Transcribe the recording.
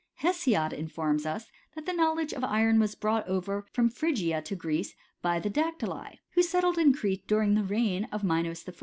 Hesiod informs us, that the knowledge of iron was brought over from Phrygia to Greece by the Dactyli, who settled in Crete during the reign of Minos I.